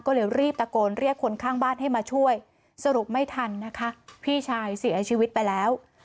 ก็เลยรีบตะโกนเรียกคนข้างบ้านให้มาช่วยสรุปไม่ทันนะคะพี่ชายเสียชีวิตไปแล้ว